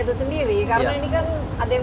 itu sendiri karena ini kan ada yang